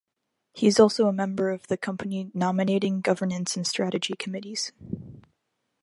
He is also a Member of the Company Nominating, Governance and Strategy Committees.